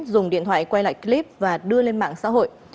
dùng điện thoại quay lại clip và đưa lên mạng xã hội